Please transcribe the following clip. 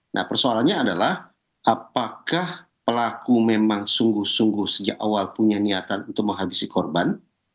nah persoalannya adalah apakah pelaku memang sungguh sungguh sejak awal punya niatan untuk menghabisi korban